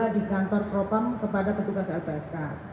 di kantor propam kepada petugas lpsk